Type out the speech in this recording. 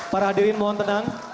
para hadirin mohon tenang